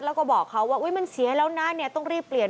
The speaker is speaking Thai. แล้วก็บอกเขาว่ามันเสียแล้วนะต้องรีบเปลี่ยน